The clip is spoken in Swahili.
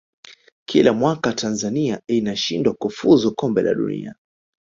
kila mwaka tanzania inashindwa kufuzu kombe la dunia